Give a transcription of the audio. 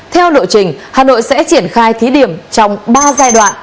theo lộ trình hà nội sẽ triển khai thí điểm trong ba giai đoạn